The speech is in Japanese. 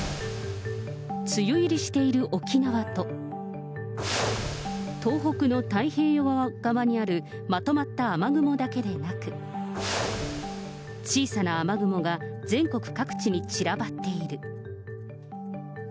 梅雨入りしている沖縄と、東北の太平洋側にあるまとまった雨雲だけでなく、小さな雨雲が全国各地に散らばっている。